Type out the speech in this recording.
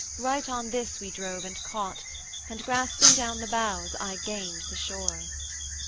Right on this we drove and caught, And grasping down the boughs I gained the shore.